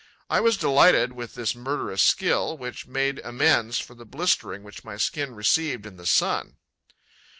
I was delighted with this murderous skill, which made amends for the blistering which my skin received in the sun.